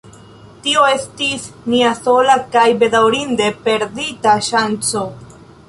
Tio estis nia sola kaj bedaŭrinde perdita ŝanco.